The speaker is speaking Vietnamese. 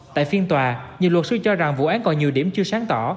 tại phiên tòa nhiều luật sư cho rằng vụ án còn nhiều điểm chưa sáng tỏ